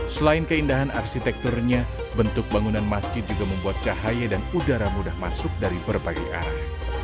selain keindahan arsitekturnya bentuk bangunan masjid juga membuat cahaya dan udara mudah masuk dari berbagai arah